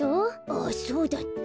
あっそうだった。